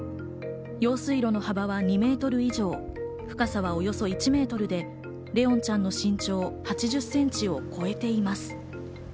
用水路の幅は２メートル以上、深さはおよそ１メートルで、怜音ちゃんの身長の８０センチを超えています。